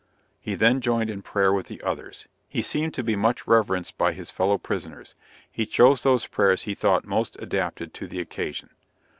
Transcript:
He then joined in prayer with the others. He seemed to be much reverenced by his fellow prisoners. He chose those prayers he thought most adapted to the occasion.